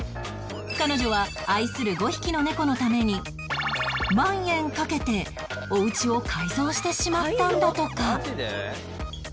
彼女は愛する５匹の猫のために万円かけてお家を改造してしまったんだとか